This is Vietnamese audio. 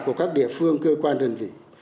của các địa phương cơ quan đơn vị